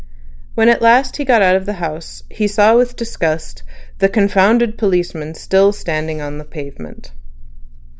When at last he got out of the house, he saw with disgust the "confounded policeman" still standing on the pavement.